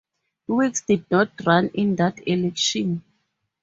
Weeks did not run in that election.